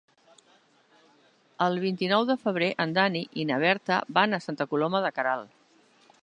El vint-i-nou de febrer en Dan i na Berta van a Santa Coloma de Queralt.